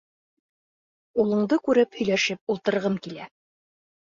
Улыңды күреп һөйләшеп ултырғым килә.